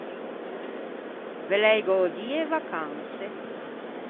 Ve l’ei gödie e vacanse?